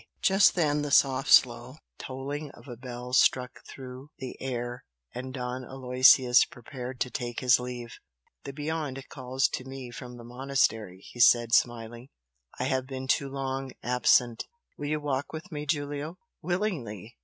Just then the soft slow tolling of a bell struck through the air and Don Aloysius prepared to take his leave. "The 'beyond' calls to me from the monastery," he said, smiling "I have been too long absent. Will you walk with me, Giulio?" "Willingly!"